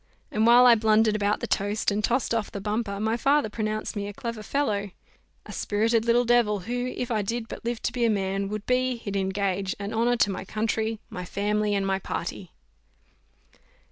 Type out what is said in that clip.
and while I blundered out the toast, and tossed off the bumper, my father pronounced me a clever fellow, "a spirited little devil, who, if I did but live to be a man, would be, he'd engage, an honour to my country, my family, and my party."